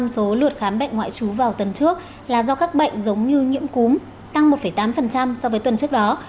năm mươi số lượt khám bệnh ngoại trú vào tuần trước là do các bệnh giống như nhiễm cúm tăng một tám so với tuần trước đó